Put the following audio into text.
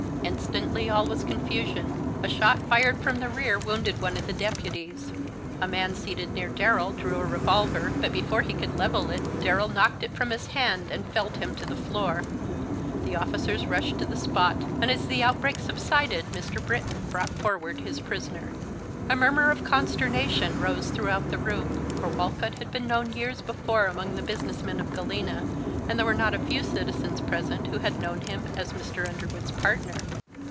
Instantly all was confusion. A shot fired from the rear wounded one of the deputies; a man seated near Darrell drew a revolver, but before he could level it Darrell knocked it from his hand and felled him to the floor. The officers rushed to the spot, and as the outbreak subsided Mr. Britton brought forward his prisoner. A murmur of consternation rose throughout the room, for Walcott had been known years before among the business men of Galena, and there were not a few citizens present who had known him as Mr. Underwood's partner.